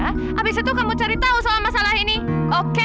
habis itu kamu cari tahu soal masalah ini oke